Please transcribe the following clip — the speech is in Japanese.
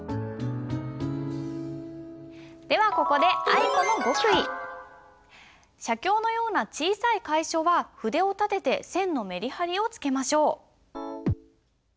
ではここで写経のような小さい楷書は筆を立てて線のメリハリをつけましょう。